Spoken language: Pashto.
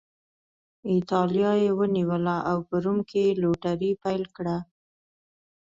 اېټالیا یې ونیوله او په روم کې یې لوټري پیل کړه.